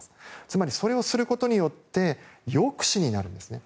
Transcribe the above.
つまりそれをすることによって抑止になるんですね。